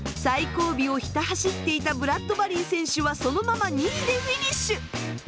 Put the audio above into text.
最後尾をひた走っていたブラッドバリー選手はそのまま２位でフィニッシュ！